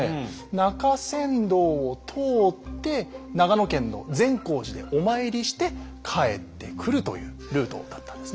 中山道を通って長野県の善光寺でお参りして帰ってくるというルートだったんですね。